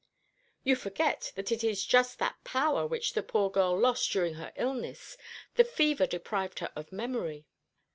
"You forget that it is just that power which the poor girl lost during her illness. The fever deprived her of memory."